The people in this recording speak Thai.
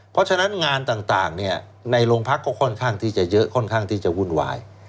เพราะฉะนั้นงานต่างในโรงพักก็ค่อนข้างที่จะเยอะค่อนข้างที่จะวุ่นวาย